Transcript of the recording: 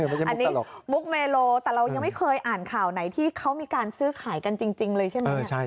อันนี้มุกเมโลแต่เรายังไม่เคยอ่านข่าวไหนที่เขามีการซื้อขายกันจริงเลยใช่ไหม